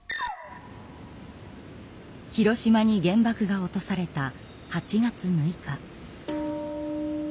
広島に原爆が落とされた８月６日。